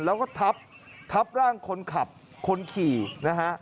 แล้วก็ทับทับร่างคนขับคนขี่นะฮะ